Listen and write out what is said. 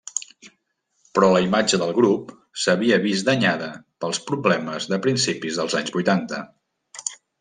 Però la imatge del grup s'havia vist danyada pels problemes de principis dels anys vuitanta.